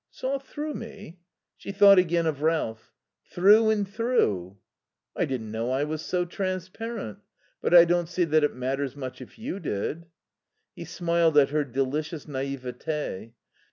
"Saw through me?" She thought again of Ralph. "Through and through." "I didn't know I was so transparent. But I don't see that it matters much if you did." He smiled at her delicious naivete.